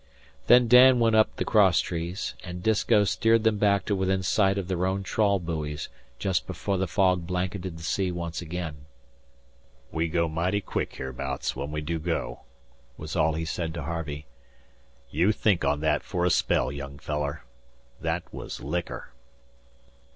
Then Dan went up the cross trees, and Disko steered them back to within sight of their own trawl buoys just before the fog blanketed the sea once again. "We go mighty quick hereabouts when we do go," was all he said to Harvey. "You think on that fer a spell, young feller. That was liquor."